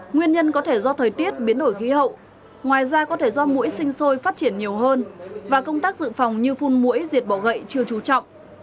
nguyên nhân có thể do thời tiết biến đổi khí hậu ngoài ra có thể do mũi sinh sôi phát triển nhiều hơn và công tác dự phòng như phun mũi diệt bỏ gậy chưa trú trọng